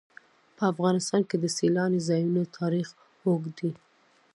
په افغانستان کې د سیلانی ځایونه تاریخ اوږد دی.